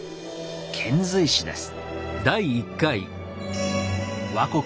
「遣隋使」です。